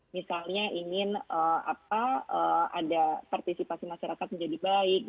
misalnya ingin ada partisipasi masyarakat menjadi baik